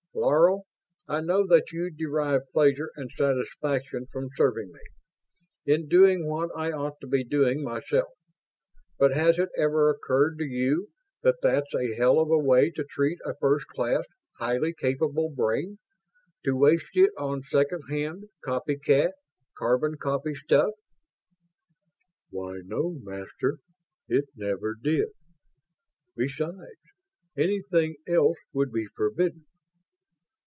"Laro, I know that you derive pleasure and satisfaction from serving me in doing what I ought to be doing myself. But has it ever occurred to you that that's a hell of a way to treat a first class, highly capable brain? To waste it on second hand, copycat, carbon copy stuff?" "Why, no, Master, it never did. Besides, anything else would be forbidden